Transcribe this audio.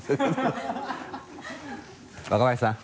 若林さん。